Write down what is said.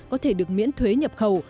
có thể được miễn thuế nhập khẩu